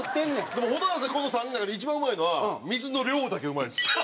でも蛍原さんこの３人の中で一番うまいのは水の量だけうまいです。